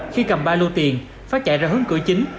khi cầm ba lô tiền phát chạy ra hướng cửa chính